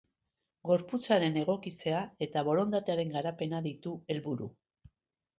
Gorputzaren egokitzea eta borondatearen garapena ditu helburu.